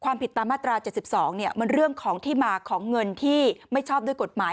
ความผิดตามมาตรา๗๒มันเรื่องของที่มาของเงินที่ไม่ชอบด้วยกฎหมาย